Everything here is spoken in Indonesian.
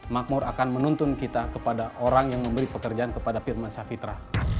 makmur akan menuntun kita kepada orang yang memberi pekerjaan kepada firman safitra